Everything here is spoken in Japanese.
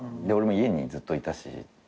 で俺も家にずっといたし。